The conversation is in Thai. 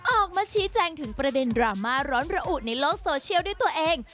ออกมาชี้แจงถึงประเด็นดราม่าร้อนระอุในโลกโซเชียลด้วยตัวเอง